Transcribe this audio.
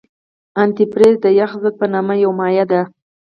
انتي فریز د یخ ضد په نامه یو مایع ده.